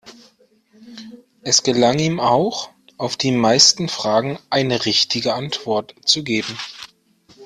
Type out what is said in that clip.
Es gelang ihm auch, auf die meisten Fragen eine richtige Antwort zu geben.